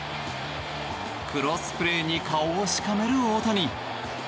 クロスプレーに顔をしかめる大谷。